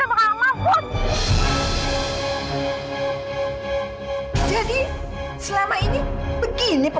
kamu tidak bisa lakukan apa apa